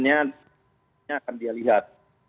nanti akan dia lihat